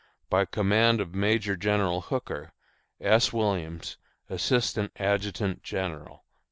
By command of MAJOR GENERAL HOOKER. S. WILLIAMS, Assistant Adjutant General.